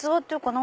何？